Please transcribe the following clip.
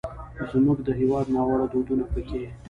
زموږ د هېواد ناوړه دودونه پکې